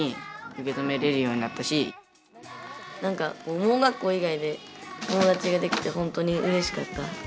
何か盲学校以外で友達ができて本当にうれしかった。